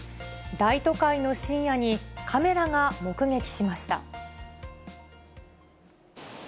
大都会の深夜に、カメラが目撃しました。